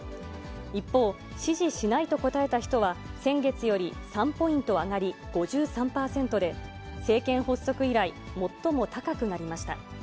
一方、支持しないと答えた人は先月より３ポイント上がり５３％で、政権発足以来、最も高くなりました。